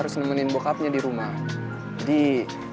sekalian jengukin bokapnya ya gak sih